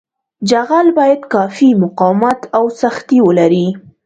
جغل باید کافي مقاومت او سختي ولري